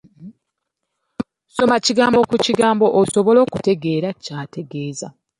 Soma kigambo ku kigambo osobole okutegeera ky'ategeeza.